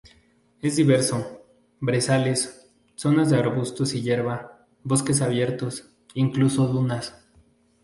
Es diverso: brezales, zonas de arbusto y hierba, bosques abiertos, incluso dunas.